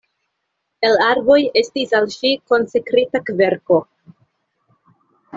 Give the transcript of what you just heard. El arboj estis al ŝi konsekrita kverko.